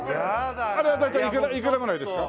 あれは大体いくらぐらいですか？